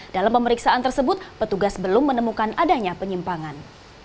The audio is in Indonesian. dalam pemeriksaan tersebut petugas belum menemukan adanya penyimpangan